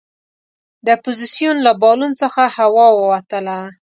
د اپوزیسون له بالون څخه هوا ووتله.